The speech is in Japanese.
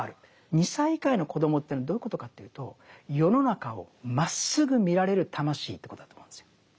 ２歳以下の子供というのはどういうことかというと世の中をまっすぐ見られる魂ということだと思うんですよ。